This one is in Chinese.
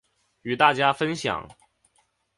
与大家分享